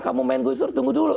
kamu main gusur tunggu dulu